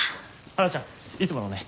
花ちゃんいつものね。